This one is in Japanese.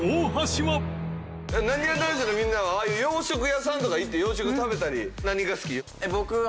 なにわ男子のみんなはああいう洋食屋さんとか行って洋食食べたり。